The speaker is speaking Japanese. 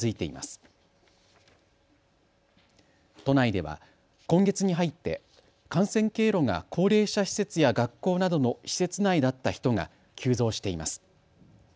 都内では今月に入って感染経路が高齢者施設や学校などの施設内だった人が急増しています。